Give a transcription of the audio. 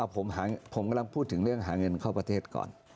ผมกำลังพูดถึงเรื่องหาเงินเข้าประเทศก่อน